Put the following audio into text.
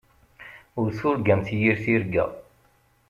Ur turgamt yir tirga.